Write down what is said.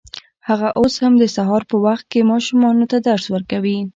هغه اوس هم د سهار په وخت کې ماشومانو ته درس ورکوي